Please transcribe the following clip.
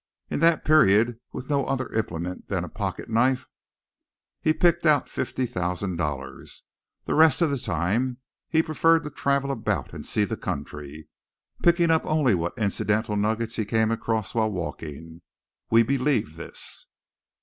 In that period, with no other implement than a pocket knife, he picked out fifty thousand dollars. The rest of the time he preferred to travel about and see the country, picking up only what incidental nuggets he came across while walking. We believed this.